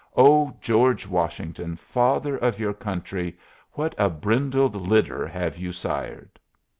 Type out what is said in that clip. Oh, George Washington, father of your country, what a brindled litter have you sired!